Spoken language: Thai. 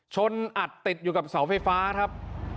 ชนอัดติดอยู่กับเสาไฟฟ้าครับ